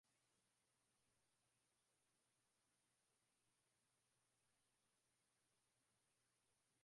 vilivyobadilisha soko la namna umma wa Tanzania unavyopashwa habari